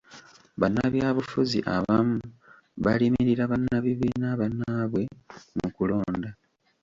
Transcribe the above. Bannabyabufuzi abamu balimirira bannabibiina bannaabwe mu kulonda.